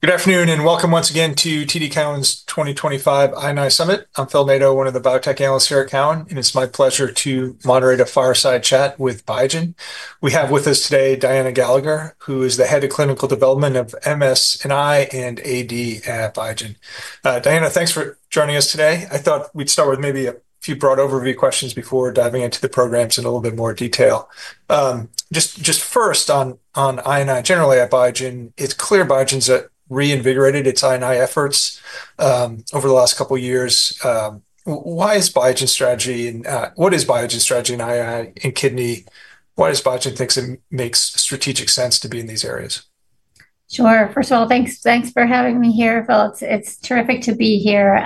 Good afternoon and welcome once again to TD Cowen's 2025 I&I Summit. I'm Phil Nadeau, one of the biotech analysts here at Cowen, and it's my pleasure to moderate a fireside chat with Biogen. We have with us today Diana Gallagher, who is the Head of Clinical Development of MSI&AD at Biogen. Diana, thanks for joining us today. I thought we'd start with maybe a few broad overview questions before diving into the programs in a little bit more detail. Just first, on I&I generally at Biogen, it's clear Biogen's reinvigorated its I&I efforts over the last couple of years. Why is Biogen's strategy and what is Biogen's strategy in I&I and kidney? Why does Biogen think it makes strategic sense to be in these areas? Sure. First of all, thanks for having me here, Phil. It's terrific to be here.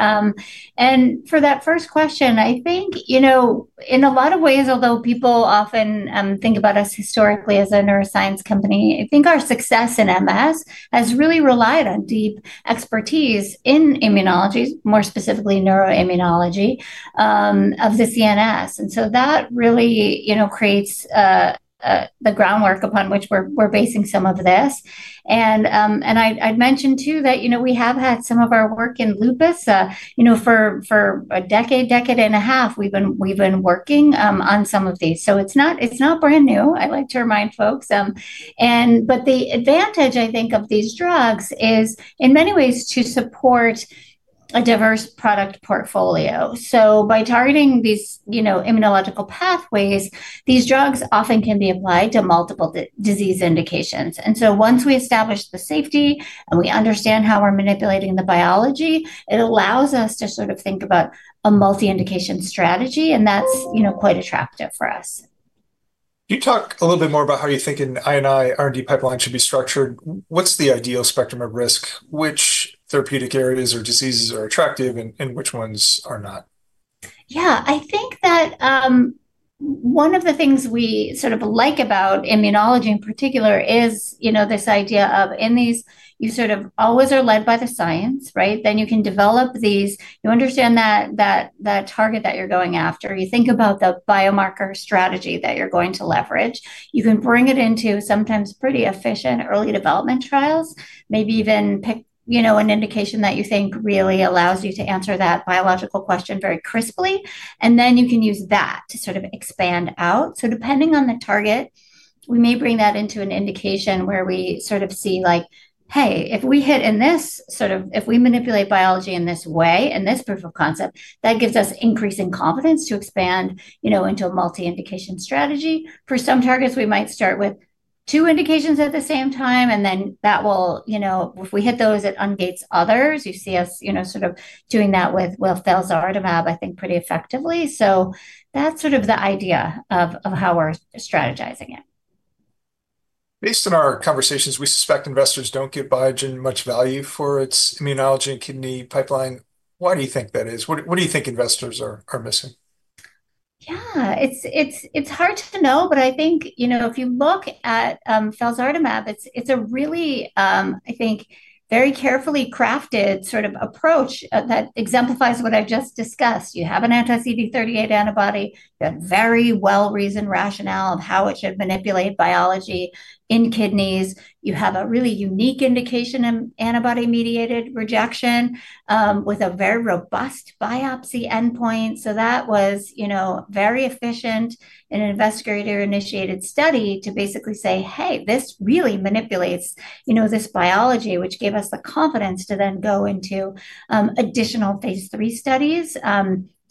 For that first question, I think, you know, in a lot of ways, although people often think about us historically as a neuroscience company, I think our success in MS has really relied on deep expertise in immunology, more specifically neuroimmunology of the CNS. That really creates the groundwork upon which we're basing some of this. I'd mention too that we have had some of our work in lupus for a decade, decade and a half, we've been working on some of these. It's not brand new, I'd like to remind folks. The advantage, I think, of these drugs is in many ways to support a diverse product portfolio. By targeting these immunological pathways, these drugs often can be applied to multiple disease indications. Once we establish the safety and we understand how we're manipulating the biology, it allows us to sort of think about a multi-indication strategy, and that's quite attractive for us. Can you talk a little bit more about how you think an I&I R&D pipeline should be structured? What's the ideal spectrum of risk? Which therapeutic areas or diseases are attractive and which ones are not? Yeah, I think that one of the things we sort of like about immunology in particular is this idea of in these, you sort of always are led by the science, right? You can develop these, you understand that target that you're going after, you think about the biomarker strategy that you're going to leverage, you can bring it into sometimes pretty efficient early development trials, maybe even pick an indication that you think really allows you to answer that biological question very crisply, and you can use that to sort of expand out. Depending on the target, we may bring that into an indication where we sort of see like, hey, if we hit in this sort of, if we manipulate biology in this way, in this proof of concept, that gives us increasing confidence to expand into a multi-indication strategy. For some targets, we might start with two indications at the same time, and then that will, if we hit those, it ungates others. You see us sort of doing that with, well, felzartamab, I think pretty effectively. That is sort of the idea of how we're strategizing it. Based on our conversations, we suspect investors do not give Biogen much value for its immunology and kidney pipeline. Why do you think that is? What do you think investors are missing? Yeah, it's hard to know, but I think if you look at felzartamab, it's a really, I think, very carefully crafted sort of approach that exemplifies what I've just discussed. You have an anti-CD38 antibody, you have a very well-reasoned rationale of how it should manipulate biology in kidneys. You have a really unique indication of antibody-mediated rejection with a very robust biopsy endpoint. That was very efficient in an investigator-initiated study to basically say, hey, this really manipulates this biology, which gave us the confidence to then go into additional phase three studies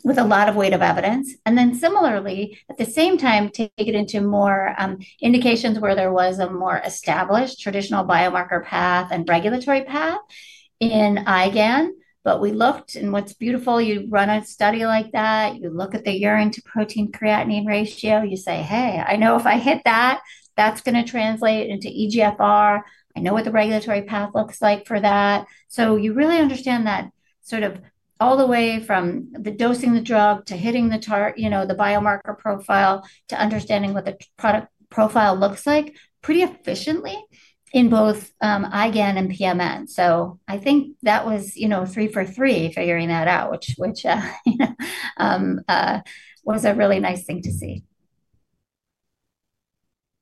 with a lot of weight of evidence. Similarly, at the same time, take it into more indications where there was a more established traditional biomarker path and regulatory path in IgAN. We looked, and what's beautiful, you run a study like that, you look at the urine-to-protein creatinine ratio, you say, hey, I know if I hit that, that's going to translate into eGFR. I know what the regulatory path looks like for that. You really understand that sort of all the way from the dosing of the drug to hitting the biomarker profile to understanding what the product profile looks like pretty efficiently in both IgAN and pMN. I think that was three for three figuring that out, which was a really nice thing to see.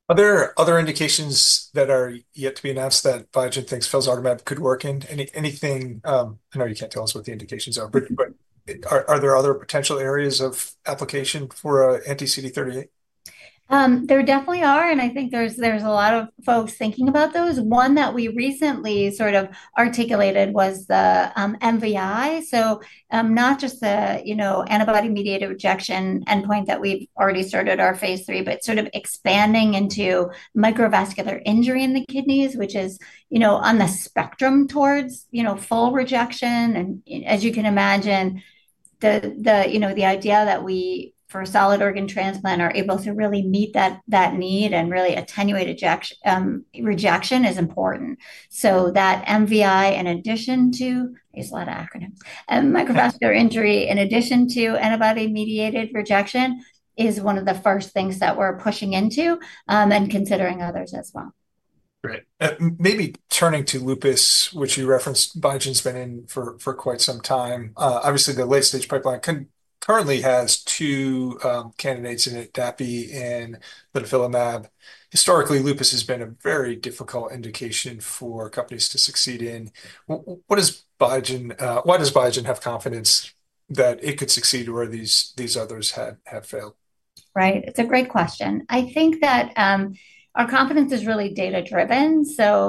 Are there other indications that are yet to be announced that Biogen thinks felzartamab could work in? I know you can't tell us what the indications are, but are there other potential areas of application for anti-CD38? There definitely are, and I think there's a lot of folks thinking about those. One that we recently sort of articulated was the MVI, so not just the antibody-mediated rejection endpoint that we've already started our phase three, but sort of expanding into microvascular injury in the kidneys, which is on the spectrum towards full rejection. As you can imagine, the idea that we for a solid organ transplant are able to really meet that need and really attenuate rejection is important. That MVI, in addition to, I use a lot of acronyms, microvascular injury in addition to antibody-mediated rejection is one of the first things that we're pushing into and considering others as well. Great. Maybe turning to lupus, which you referenced, Biogen's been in for quite some time. Obviously, the late-stage pipeline currently has two candidates in it, dapirolizumab pegol and litifilimab. Historically, lupus has been a very difficult indication for companies to succeed in. Why does Biogen have confidence that it could succeed where these others have failed? Right. It's a great question. I think that our confidence is really data-driven.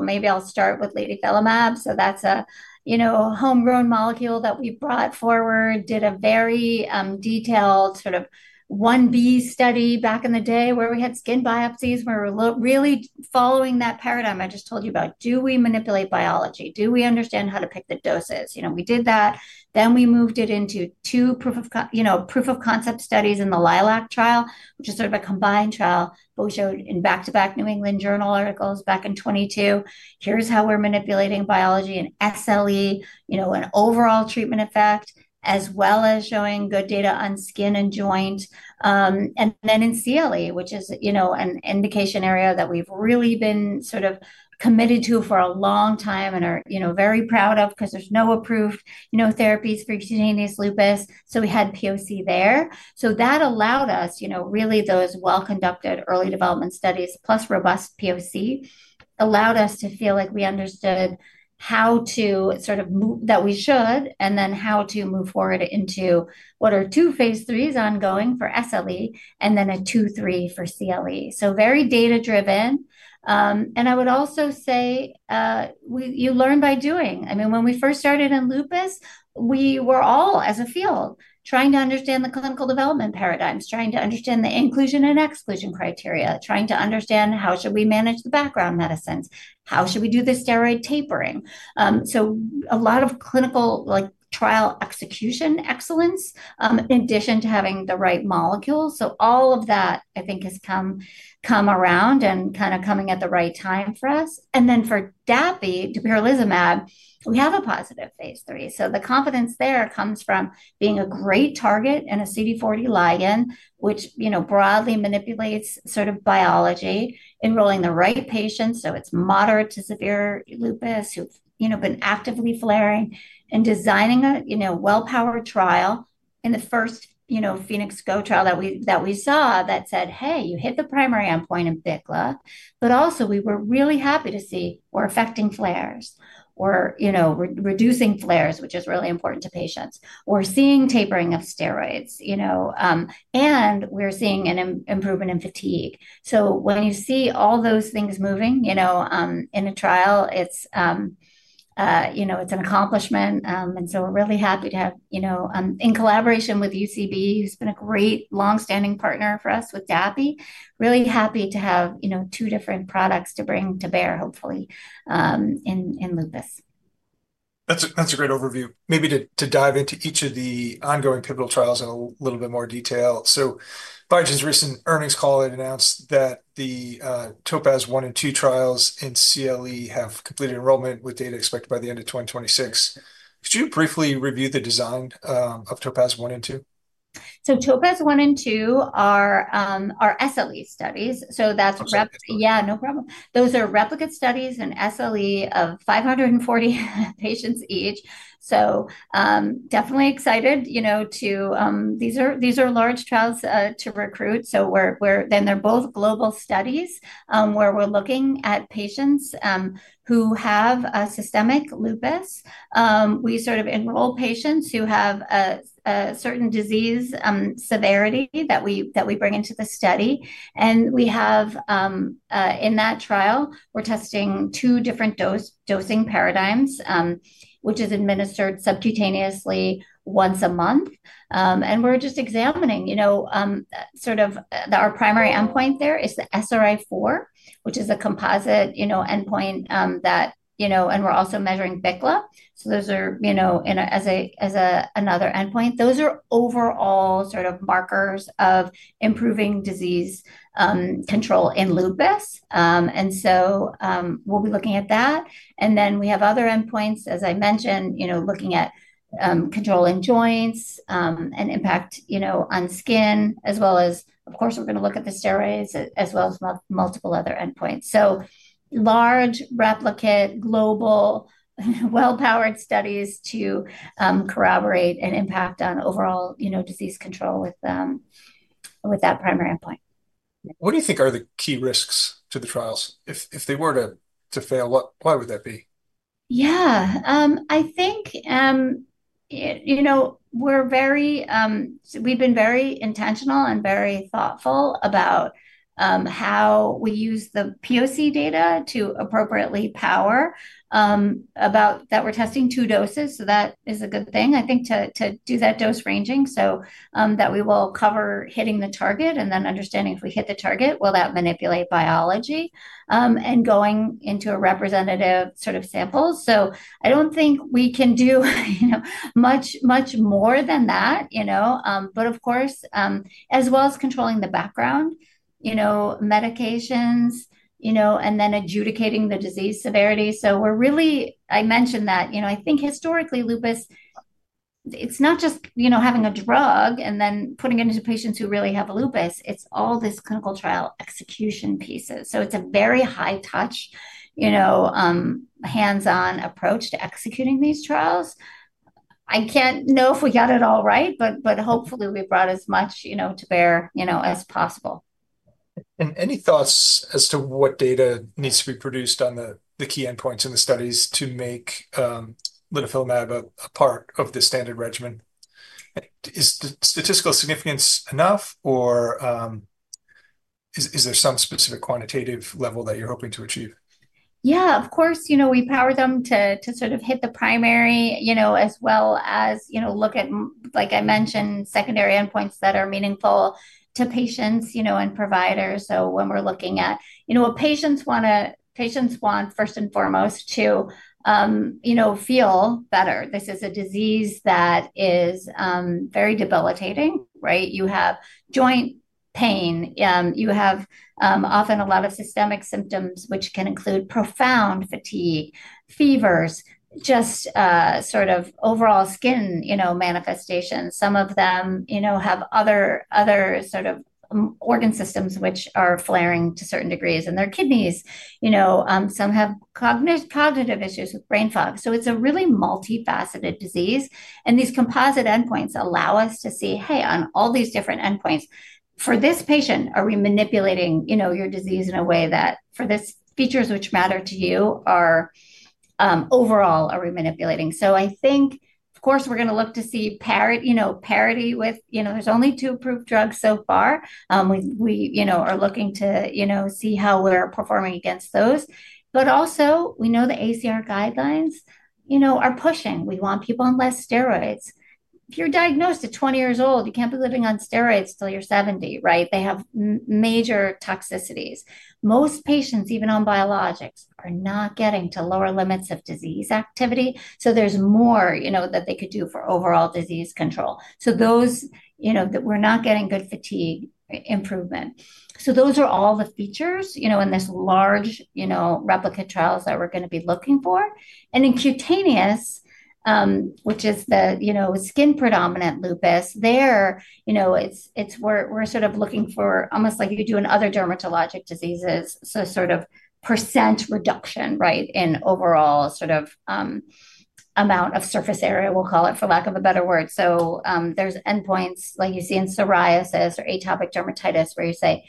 Maybe I'll start with litifilimab. That's a homegrown molecule that we brought forward, did a very detailed sort of 1B study back in the day where we had skin biopsies where we're really following that paradigm I just told you about. Do we manipulate biology? Do we understand how to pick the doses? We did that. We moved it into two proof of concept studies in the LILAC trial, which is sort of a combined trial, but we showed in back-to-back New England Journal articles back in 2022, here's how we're manipulating biology in SLE, an overall treatment effect, as well as showing good data on skin and joint. In CLE, which is an indication area that we've really been sort of committed to for a long time and are very proud of because there's no approved therapies for cutaneous lupus. We had POC there. That allowed us, really, those well-conducted early development studies, plus robust POC, allowed us to feel like we understood how to sort of move that we should and then how to move forward into what are two phase threes ongoing for SLE and then a two three for CLE. Very data-driven. I would also say you learn by doing. I mean, when we first started in lupus, we were all as a field trying to understand the clinical development paradigms, trying to understand the inclusion and exclusion criteria, trying to understand how should we manage the background medicines, how should we do the steroid tapering. A lot of clinical trial execution excellence in addition to having the right molecules. All of that, I think, has come around and kind of coming at the right time for us. For dapirolizumab pegol, we have a positive phase three. The confidence there comes from being a great target and a CD40 ligand, which broadly manipulates sort of biology, enrolling the right patients. It is moderate to severe lupus who've been actively flaring and designing a well-powered trial in the first PHOENYCS Go trial that we saw that said, hey, you hit the primary endpoint in BICLA. We were really happy to see we're affecting flares or reducing flares, which is really important to patients. We're seeing tapering of steroids, and we're seeing an improvement in fatigue. When you see all those things moving in a trial, it's an accomplishment. We're really happy to have, in collaboration with UCB, who's been a great long-standing partner for us with dapirolizumab pegol, really happy to have two different products to bring to bear, hopefully, in lupus. That's a great overview. Maybe to dive into each of the ongoing pivotal trials in a little bit more detail. At Biogen's recent earnings call, it announced that the TOPAZ-1 and 2 trials in CLE have completed enrollment with data expected by the end of 2026. Could you briefly review the design of TOPAZ-1 and 2? TOPAZ-1 and 2 are SLE studies. So that's. Replicated? Yeah, no problem. Those are replicate studies in SLE of 540 patients each. Definitely excited to, these are large trials to recruit. They are both global studies where we're looking at patients who have systemic lupus. We sort of enroll patients who have a certain disease severity that we bring into the study. In that trial, we're testing two different dosing paradigms, which is administered subcutaneously once a month. We're just examining, our primary endpoint there is the SRI4, which is a composite endpoint, and we're also measuring BICLA. Those are as another endpoint. Those are overall sort of markers of improving disease control in lupus. We'll be looking at that. We have other endpoints, as I mentioned, looking at control in joints and impact on skin, as well as, of course, we're going to look at the steroids as well as multiple other endpoints. Large, replicate, global, well-powered studies to corroborate and impact on overall disease control with that primary endpoint. What do you think are the key risks to the trials? If they were to fail, why would that be? Yeah, I think we've been very intentional and very thoughtful about how we use the POC data to appropriately power, about that we're testing two doses. That is a good thing, I think, to do that dose ranging so that we will cover hitting the target and then understanding if we hit the target, will that manipulate biology and going into a representative sort of sample. I don't think we can do much, much more than that. Of course, as well as controlling the background medications, and then adjudicating the disease severity. I mentioned that I think historically lupus, it's not just having a drug and then putting it into patients who really have lupus. It's all this clinical trial execution pieces. It's a very high-touch, hands-on approach to executing these trials. I can't know if we got it all right, but hopefully we brought as much to bear as possible. Any thoughts as to what data needs to be produced on the key endpoints in the studies to make litifilimab a part of the standard regimen? Is statistical significance enough, or is there some specific quantitative level that you're hoping to achieve? Yeah, of course. We power them to sort of hit the primary as well as look at, like I mentioned, secondary endpoints that are meaningful to patients and providers. When we're looking at, well, patients want to, patients want first and foremost to feel better. This is a disease that is very debilitating, right? You have joint pain. You have often a lot of systemic symptoms, which can include profound fatigue, fevers, just sort of overall skin manifestations. Some of them have other sort of organ systems, which are flaring to certain degrees, and their kidneys. Some have cognitive issues with brain fog. It is a really multifaceted disease. These composite endpoints allow us to see, hey, on all these different endpoints, for this patient, are we manipulating your disease in a way that for these features which matter to you are overall, are we manipulating? I think, of course, we're going to look to see parity with, there's only two approved drugs so far. We are looking to see how we're performing against those. Also, we know the ACR guidelines are pushing. We want people on less steroids. If you're diagnosed at 20 years old, you can't be living on steroids till you're 70, right? They have major toxicities. Most patients, even on biologics, are not getting to lower limits of disease activity. There's more that they could do for overall disease control. Those that we're not getting good fatigue improvement. Those are all the features in this large replicate trials that we're going to be looking for. In cutaneous, which is the skin-predominant lupus, there we're sort of looking for almost like you do in other dermatologic diseases, so sort of percent reduction, right, in overall sort of amount of surface area, we'll call it for lack of a better word. There are endpoints like you see in psoriasis or atopic dermatitis where you say,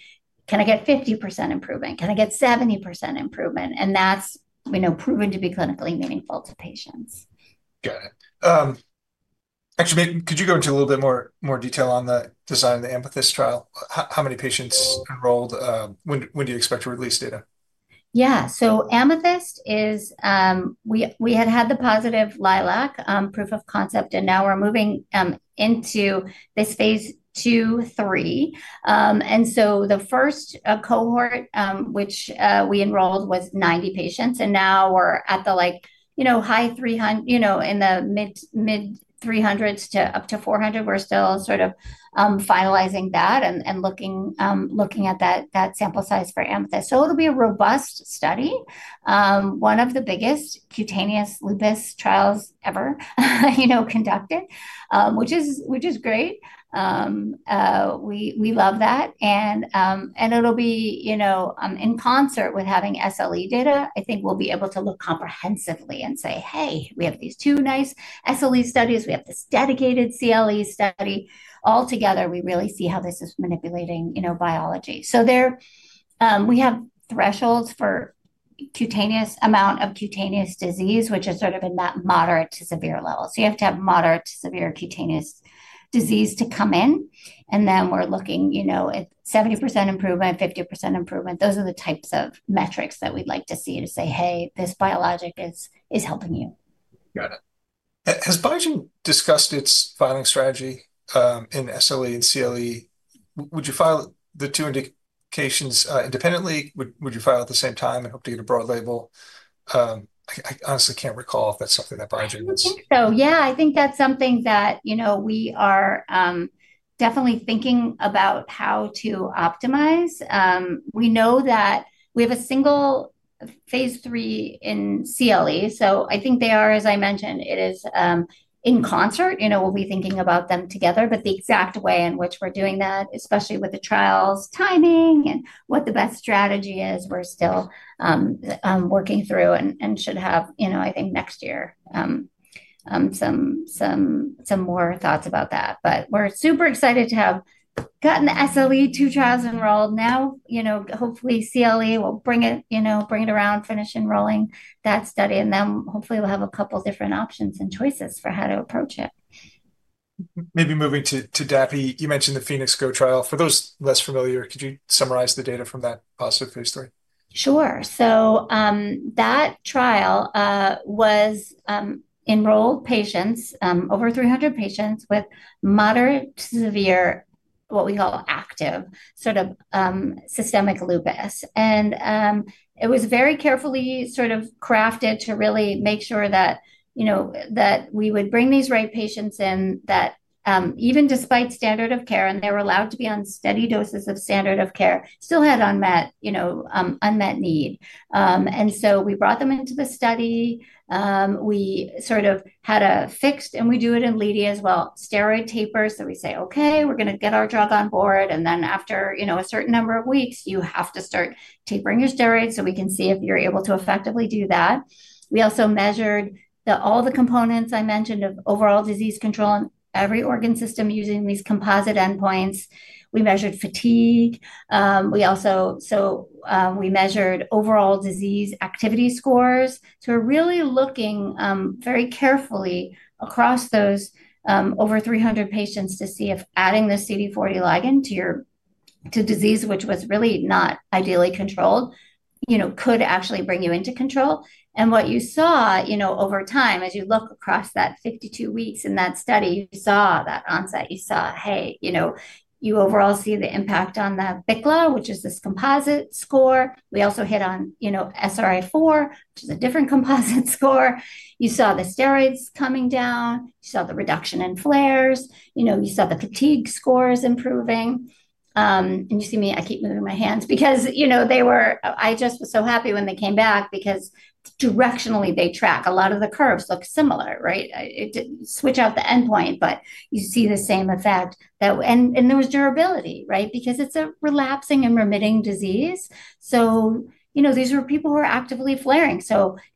can I get 50% improvement? Can I get 70% improvement? That has proven to be clinically meaningful to patients. Got it. Actually, could you go into a little bit more detail on the design of the Amethyst trial? How many patients enrolled? When do you expect to release data? Yeah. Amethyst is we had had the positive LILAC proof of concept, and now we're moving into this phase two, three. The first cohort, which we enrolled, was 90 patients. Now we're at the high-300 in the mid-300s to up to 400. We're still sort of finalizing that and looking at that sample size for Amethyst. It'll be a robust study, one of the biggest cutaneous lupus trials ever conducted, which is great. We love that. It'll be in concert with having SLE data. I think we'll be able to look comprehensively and say, hey, we have these two nice SLE studies. We have this dedicated CLE study. Altogether, we really see how this is manipulating biology. We have thresholds for amount of cutaneous disease, which is sort of in that moderate to severe level. You have to have moderate to severe cutaneous disease to come in. And then we're looking at 70% improvement, 50% improvement. Those are the types of metrics that we'd like to see to say, hey, this biologic is helping you. Got it. Has Biogen discussed its filing strategy in SLE and CLE? Would you file the two indications independently? Would you file at the same time and hope to get a broad label? I honestly can't recall if that's something that Biogen is. I do not think so. Yeah, I think that is something that we are definitely thinking about how to optimize. We know that we have a single phase three in CLE. I think they are, as I mentioned, it is in concert. We will be thinking about them together. The exact way in which we are doing that, especially with the trials timing and what the best strategy is, we are still working through and should have, I think, next year some more thoughts about that. We are super excited to have gotten the SLE two trials enrolled. Now, hopefully, CLE will bring it around, finish enrolling that study, and then hopefully we will have a couple of different options and choices for how to approach it. Maybe moving to Dapi, you mentioned the PHOENYCS GO trial. For those less familiar, could you summarize the data from that positive phase three? Sure. That trial was enrolled patients, over 300 patients with moderate to severe, what we call active, sort of systemic lupus. It was very carefully sort of crafted to really make sure that we would bring these right patients in that even despite standard of care, and they were allowed to be on steady doses of standard of care, still had unmet need. We brought them into the study. We sort of had a fixed, and we do it in LEDA as well, steroid taper. We say, okay, we're going to get our drug on board. After a certain number of weeks, you have to start tapering your steroids so we can see if you're able to effectively do that. We also measured all the components I mentioned of overall disease control in every organ system using these composite endpoints. We measured fatigue. We measured overall disease activity scores. We were really looking very carefully across those over 300 patients to see if adding the CD40 ligand to disease, which was really not ideally controlled, could actually bring you into control. What you saw over time, as you look across that 52 weeks in that study, you saw that onset. You saw, hey, you overall see the impact on the BICLA, which is this composite score. We also hit on SRI4, which is a different composite score. You saw the steroids coming down. You saw the reduction in flares. You saw the fatigue scores improving. You see me, I keep moving my hands because they were, I just was so happy when they came back because directionally they track. A lot of the curves look similar, right? It did not switch out the endpoint, but you see the same effect. There was durability, right? Because it is a relapsing and remitting disease. These were people who were actively flaring.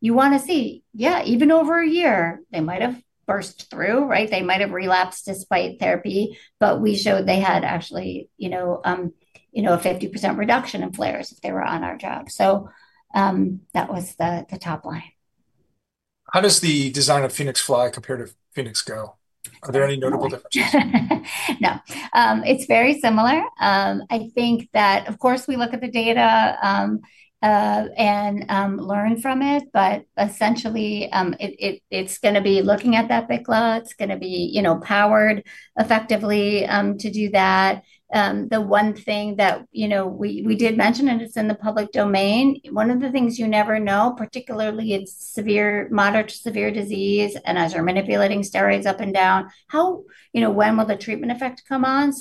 You want to see, yeah, even over a year, they might have burst through, right? They might have relapsed despite therapy, but we showed they had actually a 50% reduction in flares if they were on our drug. That was the top line. How does the design of PHOENYCS Fly compare to PHOENYCS Go? Are there any notable differences? No. It's very similar. I think that, of course, we look at the data and learn from it, but essentially it's going to be looking at that BICLA. It's going to be powered effectively to do that. The one thing that we did mention, and it's in the public domain, one of the things you never know, particularly in moderate to severe disease and as you're manipulating steroids up and down, when will the treatment effect come on?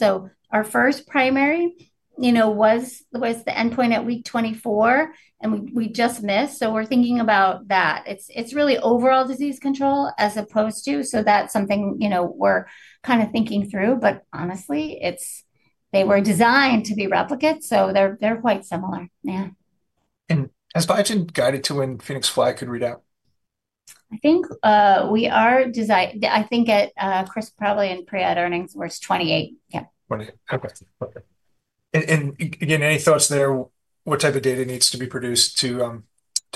Our first primary was the endpoint at week 24, and we just missed. We're thinking about that. It's really overall disease control as opposed to, so that's something we're kind of thinking through. Honestly, they were designed to be replicate. They're quite similar. Yeah. Has Biogen guided to when PHOENYCS Fly could read out? I think we are designed, I think at Chris probably in pre-ad earnings, where it's 28. Yeah. Okay. Okay. Again, any thoughts there? What type of data needs to be produced to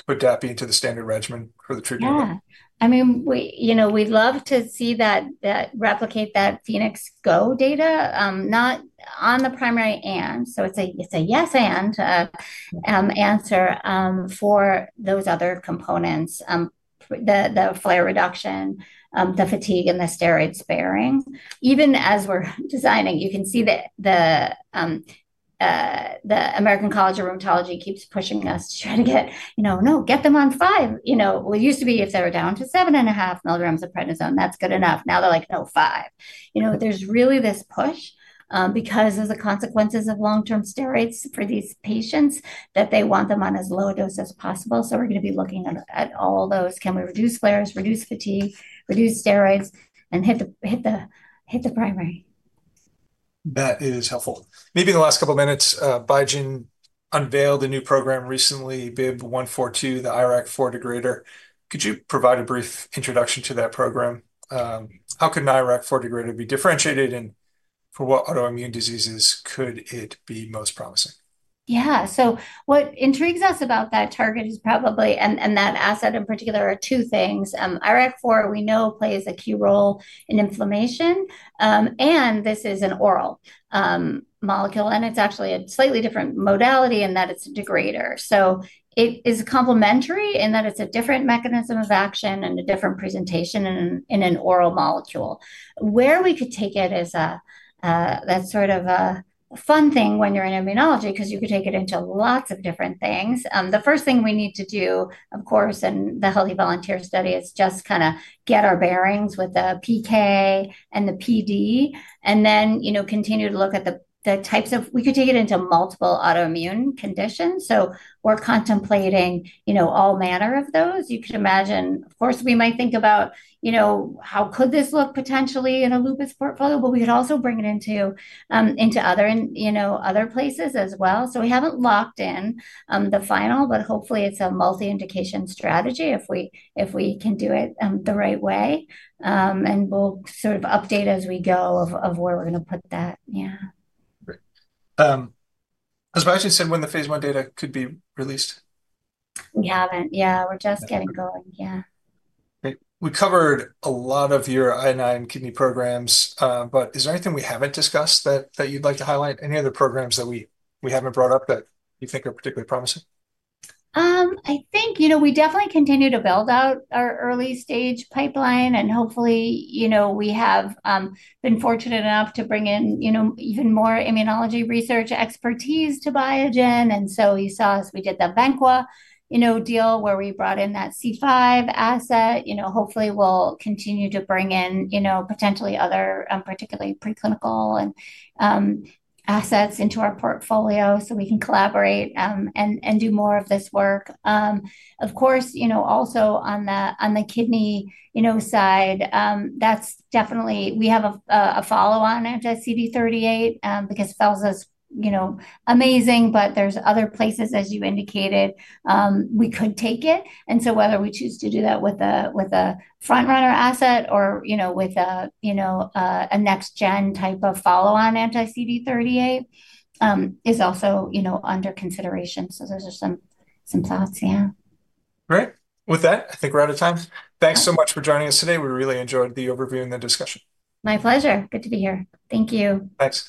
put dapirolizumab pegol into the standard regimen for the treatment? Yeah. I mean, we'd love to see that replicate that PHOENYCS Go data, not on the primary. And it's a yes and answer for those other components, the flare reduction, the fatigue, and the steroid sparing. Even as we're designing, you can see that the American College of Rheumatology keeps pushing us to try to get, no, get them on five. It used to be if they were down to 7.5 mg of prednisone, that's good enough. Now they're like, no, five. There's really this push because of the consequences of long-term steroids for these patients that they want them on as low a dose as possible. We're going to be looking at all those. Can we reduce flares, reduce fatigue, reduce steroids, and hit the primary? That is helpful. Maybe in the last couple of minutes, Biogen unveiled a new program recently, BIIB142, the IRAK4 degrader. Could you provide a brief introduction to that program? How can IRAK4 degrader be differentiated, and for what autoimmune diseases could it be most promising? Yeah. What intrigues us about that target is probably, and that asset in particular are two things. IRAK4, we know, plays a key role in inflammation. This is an oral molecule. It is actually a slightly different modality in that it is a degrader. It is complementary in that it is a different mechanism of action and a different presentation in an oral molecule. Where we could take it is that sort of a fun thing when you are in immunology because you could take it into lots of different things. The first thing we need to do, of course, in the Healthy Volunteer study is just kind of get our bearings with the PK and the PD and then continue to look at the types of, we could take it into multiple autoimmune conditions. We are contemplating all manner of those. You could imagine, of course, we might think about how could this look potentially in a lupus portfolio, but we could also bring it into other places as well. We have not locked in the final, but hopefully it is a multi-indication strategy if we can do it the right way. We will sort of update as we go of where we are going to put that. Yeah. Great. Has Biogen said when the phase one data could be released? We haven't. Yeah, we're just getting going. Yeah. Great. We covered a lot of your I&I and kidney programs, but is there anything we haven't discussed that you'd like to highlight? Any other programs that we haven't brought up that you think are particularly promising? I think we definitely continue to build out our early stage pipeline, and hopefully we have been fortunate enough to bring in even more immunology research expertise to Biogen. You saw us, we did the Ventyx deal where we brought in that C5 asset. Hopefully, we'll continue to bring in potentially other particularly preclinical assets into our portfolio so we can collaborate and do more of this work. Of course, also on the kidney side, we definitely have a follow-on anti-CD38 because it tells us amazing, but there are other places, as you indicated, we could take it. Whether we choose to do that with a front-runner asset or with a next-gen type of follow-on anti-CD38 is also under consideration. Those are some thoughts. Yeah. All right. With that, I think we're out of time. Thanks so much for joining us today. We really enjoyed the overview and the discussion. My pleasure. Good to be here. Thank you. Thanks.